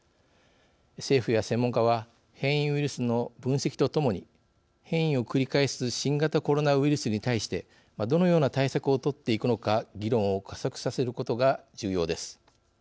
政府や専門家は変異ウイルスの分析とともに変異を繰り返す新型コロナウイルスに対してどのような対策をとっていくのか議論を加速させることが重要です。